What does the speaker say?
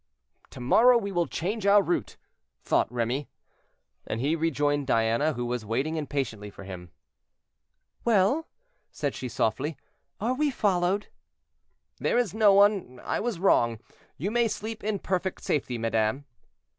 "To morrow we will change our route," thought Remy. And he rejoined Diana, who was waiting impatiently for him. "Well," said she softly, "are we followed?" "There is no one, I was wrong; you may sleep in perfect safety, madame."